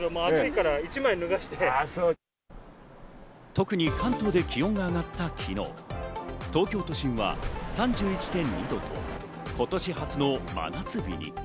特に関東で気温が上がった昨日、東京都心は３１．２度と今年初の真夏日に。